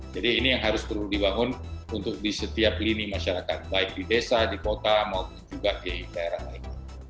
jadi ini yang harus perlu dibangun untuk di setiap lini masyarakat baik di desa di kota maupun juga di daerah lainnya